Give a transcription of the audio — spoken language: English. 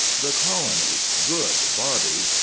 The Colonies good bodies!